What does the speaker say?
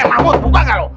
mamut buka gak lu